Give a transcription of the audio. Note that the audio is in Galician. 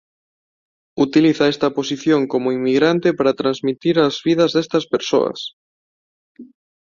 Utiliza esta posición como inmigrante para transmitir as vidas destas persoas.